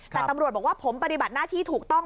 แต่ตำรวจบอกว่าผมปฏิบัติหน้าที่ถูกต้อง